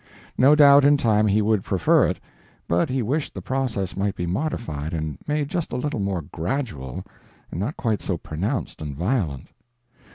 No doubt in time he would prefer it; but he wished the process might be modified and made just a little more gradual, and not quite so pronounced and violent.